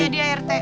iya dia rt